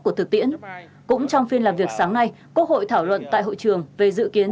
của thực tiễn cũng trong phiên làm việc sáng nay quốc hội thảo luận tại hội trường về dự kiến